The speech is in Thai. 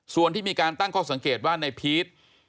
ส่วนที่มีการตั้งเขาสังเกตว่านายพีท